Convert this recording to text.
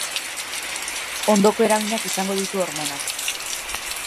Ondoko eraginak izango ditu hormonak.